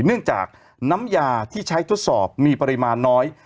เนื่องจากน้ำยาที่ใช้ทดสอบมีปริมาณน้อย